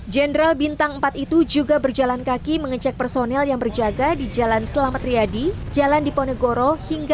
jenderal bintang empat itu juga berjalan kaki mengecek personel yang berjaga di jalan selamat riyadi jalan diponegoro hingga